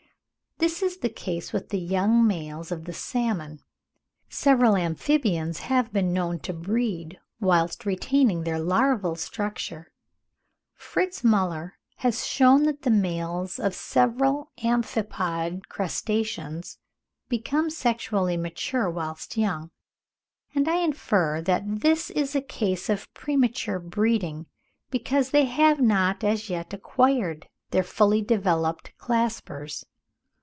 This is the case with the young males of the salmon. Several amphibians have been known to breed whilst retaining their larval structure. Fritz Müller has shewn ('Facts and arguments for Darwin,' Eng. trans. 1869, p. 79) that the males of several amphipod crustaceans become sexually mature whilst young; and I infer that this is a case of premature breeding, because they have not as yet acquired their fully developed claspers.